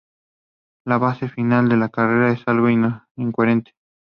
La fase final de su carrera es algo incoherente.